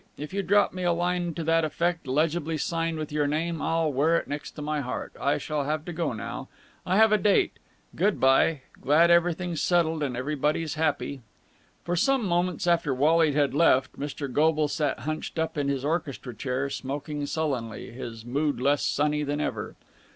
If you drop me a line to that effect, legibly signed with your name, I'll wear it next my heart. I shall have to go now. I have a date. Good bye. Glad everything's settled and everybody's happy." For some moments after Wally had left, Mr. Goble sat hunched up in his orchestra chair, smoking sullenly, his mood less sunny than ever.